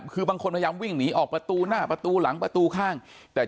คือบางคนพยายามวิ่งหนีออกประตูหน้าประตูหลังประตูข้างแต่